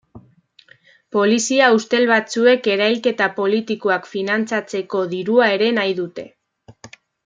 Polizia ustel batzuek erailketa politikoak finantzatzeko dirua ere nahi dute.